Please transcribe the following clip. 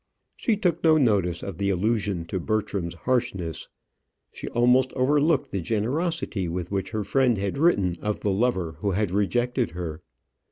She took no notice of the allusion to Bertram's harshness; she almost overlooked the generosity with which her friend had written of the lover who had rejected her.